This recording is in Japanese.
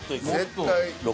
絶対。